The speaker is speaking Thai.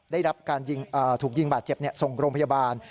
ได้รับการถูกยิงบาดเจ็บส่งโรงพยาบาล